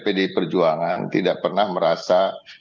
pdi perjuangan tidak pernah merasa